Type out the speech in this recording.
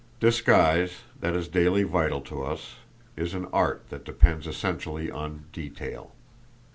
Disguise, that is daily vital to us, is an art that depends essentially on detail.